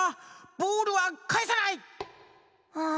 ボールはかえさない！